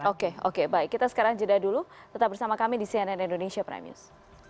oke oke baik kita sekarang jeda dulu tetap bersama kami di cnn indonesia prime news